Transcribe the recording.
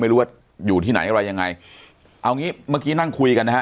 อยู่ที่ไหนอะไรยังไงเอางี้เมื่อกี้นั่งคุยกันนะฮะ